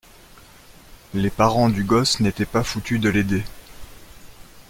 les parents du gosse n’étaient pas foutus de l’aider.